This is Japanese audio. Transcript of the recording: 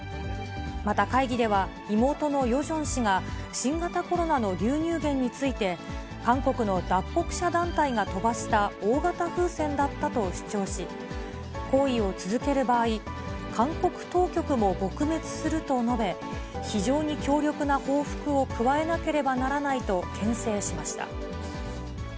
また会議では、妹のヨジョン氏が、新型コロナの流入源について、韓国の脱北者団体が飛ばした大型風船だったと主張し、行為を続ける場合、韓国当局も撲滅すると述べ、非常に強力な報復を加えなければならないとけん制しました。